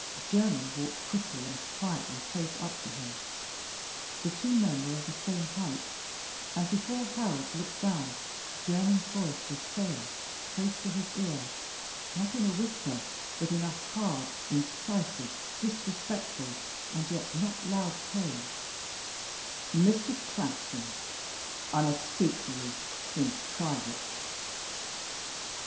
Jermyn walked quickly and quietly close up to him. The two men were of the same height, and before Harold looked round Jermyn's voice was saying, close to his ear, not in a whisper, but in a hard, incisive, disrespectful and yet not loud tone "Mr. Transome, I must speak to you in private."